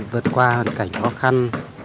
vượt qua hoàn cảnh khó khăn